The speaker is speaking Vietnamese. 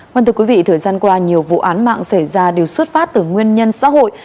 vâng thưa quý vị thời gian qua nhiều vụ án mạng xảy ra đều xuất phát từ nguyên nhân xã hội